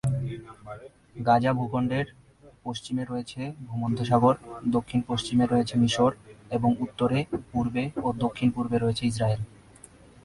গাজা ভূখণ্ডের পশ্চিমে রয়েছে ভূমধ্যসাগর, দক্ষিণ-পশ্চিমে রয়েছে মিশর, এবং উত্তরে, পূর্বে, ও দক্ষিণ-পূর্বে রয়েছে ইসরায়েল।